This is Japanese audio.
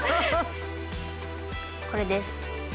これです。